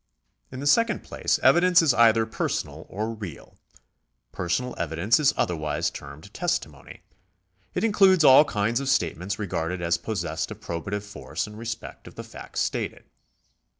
In the second place evidence is either personal or real. Personal evidence is otherwise termed testimony. It in cludes all kinds of statements regarded as possessed of proba tive force in respect of the facts stated.